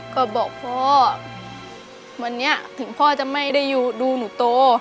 ก็บอกพ่อวันนี้ถึงพ่อจะไม่ได้ดูหนูโต